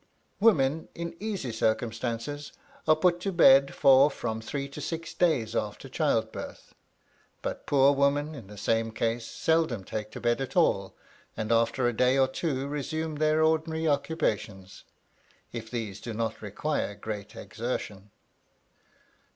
Women in easy circumstances are put to bed for from three to six days after childbirth; but poor women in the same case seldom take to bed at all, and after a day or two resume their ordinary occupations, if these do not require great exertion.